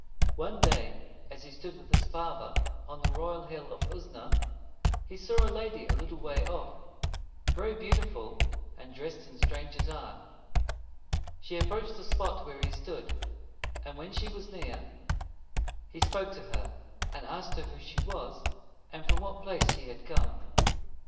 One day as he stood with his father on the royal Hill of Usna, he saw a lady a little way off, very beautiful, and dressed in strange attire. She approached the spot where he stood; and when she was near, he spoke to her, and asked who she was, and from what place she had come.